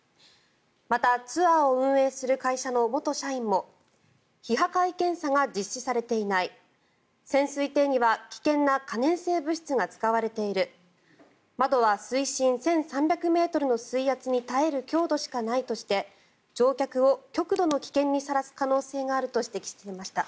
またツアーを運営する会社の元社員も非破壊検査が実施されていない潜水艇には危険な可燃性物質が使われている窓は水深１３００ｍの水圧に耐える強度しかないとして乗客を極度の危険にさらす可能性があると指摘しました。